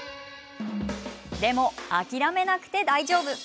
でも、諦めなくて大丈夫。